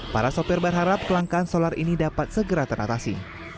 para sopir berharap kelangkaan solar ini dapat segera teratasi